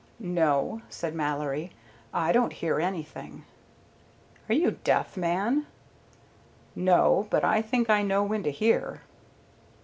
"No," said Mallory. "I don't hear anything." "Are you deaf, man?" "No, but I think I know when to hear."